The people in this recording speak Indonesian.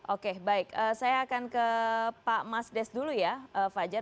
oke baik saya akan ke pak mas des dulu ya fajar